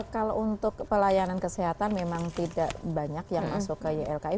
kalau untuk pelayanan kesehatan memang tidak banyak yang masuk ke ylki